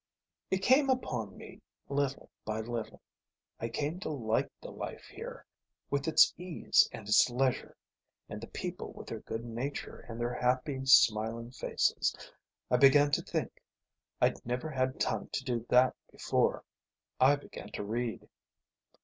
"It came upon me little by little. I came to like the life here, with its ease and its leisure, and the people, with their good nature and their happy smiling faces. I began to think. I'd never had time to do that before. I began to read."